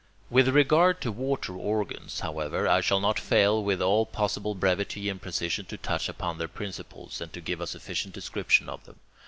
With regard to water organs, however, I shall not fail with all possible brevity and precision to touch upon their principles, and to give a sufficient description of them.